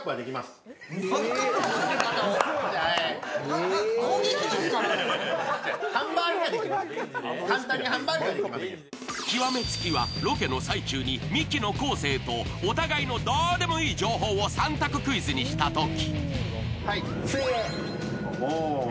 続いては極めつきは、ロケの最中にミキの昴生とお互いのどうでもいい情報を３択クイズにしたとき。